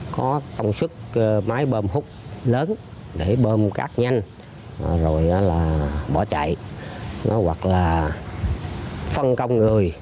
có công sức máy bơm hút lớn để bơm cát nhanh rồi bỏ chạy hoặc là phân công người